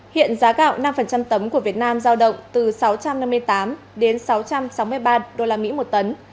hiện giá gạo năm tấm của việt nam giao động từ sáu trăm năm mươi tám đến sáu trăm sáu mươi ba đô la mỹ một tấn